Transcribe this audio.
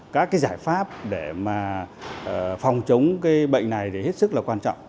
các giải pháp để phòng chống bệnh này hết sức quan trọng